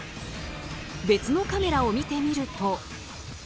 別のカメラを見てみると。